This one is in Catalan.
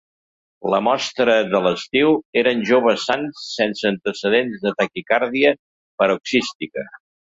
La mostra de l'estudi eren joves sans sense antecedents de taquicàrdia paroxística.